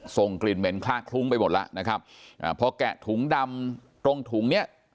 ส่งกลิ่นเหม็นคลากคลุ้งไปหมดแล้วนะครับอ่าพอแกะถุงดำตรงถุงเนี้ย